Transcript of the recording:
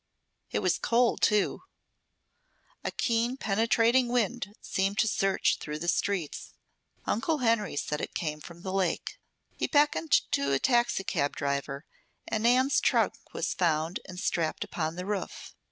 It was cold, too. A keen, penetrating wind seemed to search through the streets. Uncle Henry said it came from the lake. He beckoned to a taxicab driver, and Nan's trunk was found and strapped upon the roof.